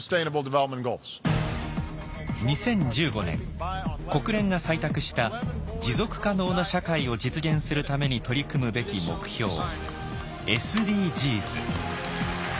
２０１５年国連が採択した持続可能な社会を実現するために取り組むべき目標ＳＤＧｓ。